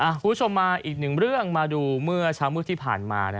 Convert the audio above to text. คุณผู้ชมมาอีกหนึ่งเรื่องมาดูเมื่อเช้ามืดที่ผ่านมา